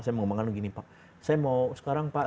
saya mau sekarang pak